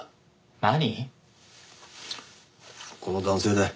この男性だよ。